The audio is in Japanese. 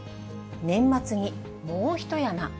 年末にもうひと山。